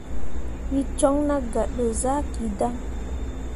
Wǝ joŋ nah gah dǝ zaki dan.